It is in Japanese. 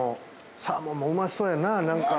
サーモンもうまそうやな、なんか。